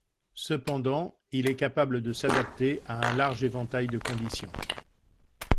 Cependant, il est capable de s'adapter à un large éventail de conditions.